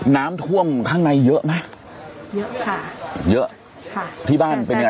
น้ำท่วมข้างในเยอะไหมเยอะค่ะเยอะค่ะที่บ้านเป็นยังไง